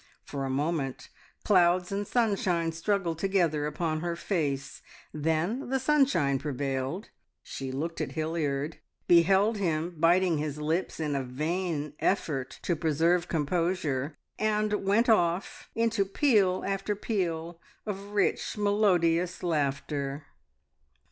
For a moment clouds and sunshine struggled together upon her face, then the sunshine prevailed, she looked at Hilliard, beheld him biting his lips in a vain effort to preserve composure, and went off into peal after peal of rich, melodious laughter.